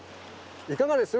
いかがです？